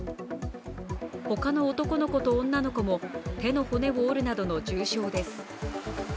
ほかの男の子と女の子も手の骨を折るなどの重傷です。